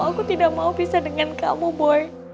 aku tidak mau bisa dengan kamu boy